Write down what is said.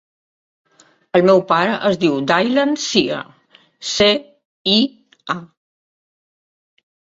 El meu pare es diu Dylan Cia: ce, i, a.